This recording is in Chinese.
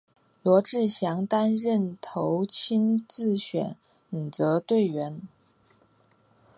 罗志祥担任教头亲自选择队员。